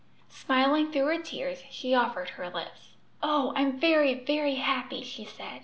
Smiling through her tears, she offered her lips. "Oh, I'm very, very happy!" she said.